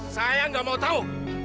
saya nggak mau tahu